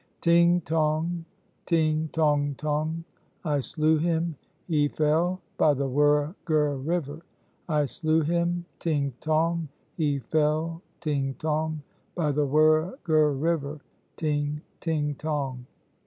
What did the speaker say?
"Ting tong! ting tong tong! I slew him he fell by the Wurra Gurra River. I slew him! ting tong! he fell ting tong! By the Wurra Gurra River ting ting tong!"